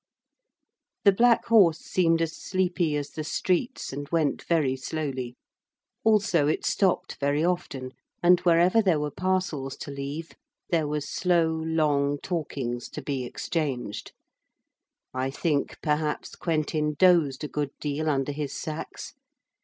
The black horse seemed as sleepy as the streets, and went very slowly. Also it stopped very often, and wherever there were parcels to leave there was slow, long talkings to be exchanged. I think, perhaps, Quentin dozed a good deal under his sacks.